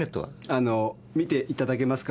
あのー見ていただけますか。